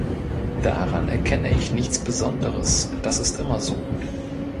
Daran erkenne ich nichts Besonderes, das ist immer so.